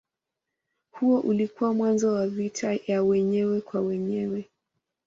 Huo ulikuwa mwanzo wa vita ya wenyewe kwa wenyewe.